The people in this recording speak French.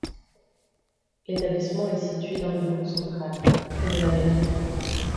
L'établissement est situé dans le bourg central, près de la mairie.